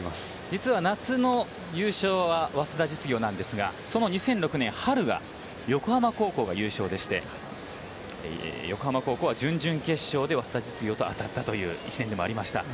実は夏の優勝は早稲田実業なんですがその２００６年春が横浜高校が優勝でして、横浜高校は準々決勝で早稲田実業に当たりました。